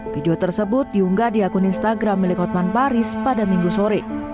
video tersebut diunggah di akun instagram milik hotman paris pada minggu sore